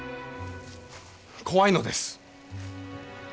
怖いのです。